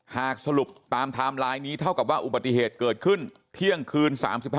หากสรุปตามไทม์ไลน์นี้เท่ากับว่าอุบัติเหตุเกิดขึ้นเที่ยงคืน๓๕